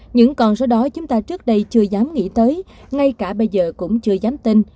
những con số đó chúng ta trước đây chưa dám nghĩ tới ngay cả bây giờ cũng chưa dám tin